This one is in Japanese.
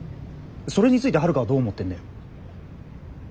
それについて春香はどう思ってんだよ。